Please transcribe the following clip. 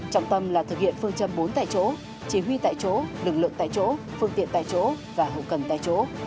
trọng tâm là thực hiện phương châm bốn tại chỗ chỉ huy tại chỗ lực lượng tại chỗ phương tiện tại chỗ và hậu cần tại chỗ